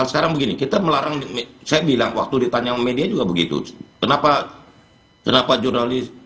sekarang begini kita melarang saya bilang waktu ditanya sama media juga begitu kenapa kenapa jurnalis